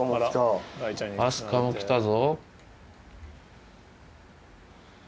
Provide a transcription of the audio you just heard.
明日香も来たぞ。